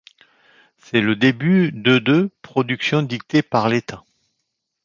C’est le début de de production dictée par l’État.